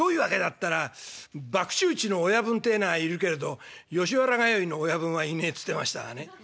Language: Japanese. ったら「博打打ちの親分てえのはいるけれど吉原通いの親分はいねえ」っつってましたがね。